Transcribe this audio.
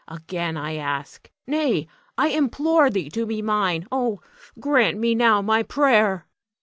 Again I ask, nay, I implore thee to be mine! Oh, grant me now my prayer!